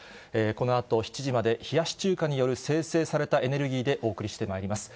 このあと、７時まで冷やし中華による生成されたエネルギーでお送りしてまいります。